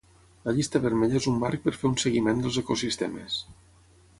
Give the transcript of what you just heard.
La Llista Vermella és un marc per fer un seguiment dels ecosistemes.